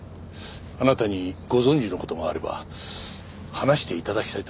あなたにご存じの事があれば話して頂きたいと思いまして。